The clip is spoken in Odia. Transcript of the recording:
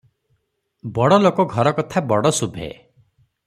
ବଡ଼ଲୋକ ଘରକଥା ବଡ଼ ଶୁଭେ ।